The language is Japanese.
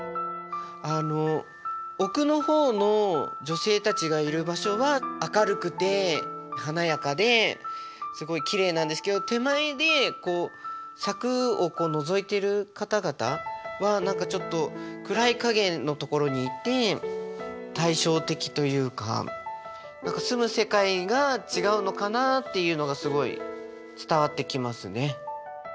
あの奥の方の女性たちがいる場所は明るくて華やかですごいきれいなんですけど手前で柵をのぞいてる方々は何かちょっと暗い影のところにいて対照的というか何か住む世界が違うのかなっていうのがすごい伝わってきますね。